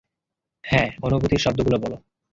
হ্যাঁ, অনুভূতির শব্দগুলো বলো।